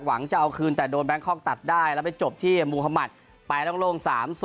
หวังจะเอาคืนแต่โดนแบงคอกตัดได้แล้วไปจบที่มุธมัติไปโล่ง๓๐